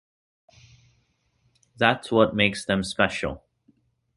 That's what makes them special.